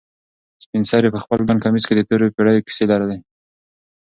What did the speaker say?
سپین سرې په خپل ګڼ کمیس کې د تېرو پېړیو کیسې لرلې.